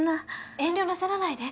遠慮なさらないで。